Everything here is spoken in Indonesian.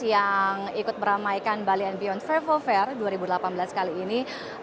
yang ikut balik ke bali dan beyond travel fair kali ini